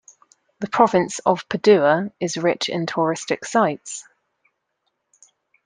The province of Padua is rich in touristic sites.